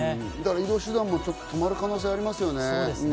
移動手段も少し止まる可能性がありますよね。